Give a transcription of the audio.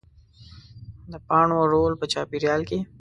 د پاڼو رول په چاپېریال کې